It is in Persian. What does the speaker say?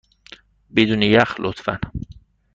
بدون یخ، لطفا.